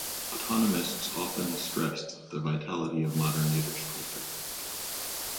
Autonomists often stressed the vitality of modern Yiddish culture.